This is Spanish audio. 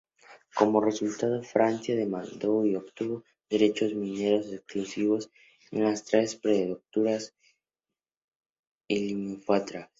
Como resultado, Francia demandó y obtuvo derechos mineros exclusivos en las tres prefecturas limítrofes.